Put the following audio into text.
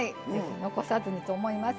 残さずにと思います。